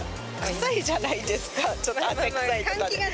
臭いじゃないですか、ちょっと、汗臭いとか。